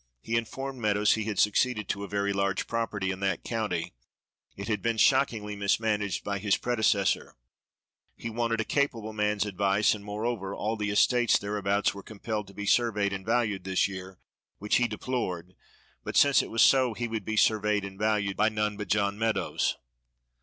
He informed Meadows he had succeeded to a very large property in that county it had been shockingly mismanaged by his predecessor; he wanted a capable man's advice, and moreover all the estates thereabouts were compelled to be surveyed and valued this year, which he deplored, but since so it was he would be surveyed and valued by none but John Meadows.